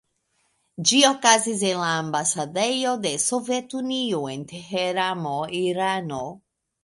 Ĝi okazis en la ambasadejo de Sovetunio en Teherano, Irano.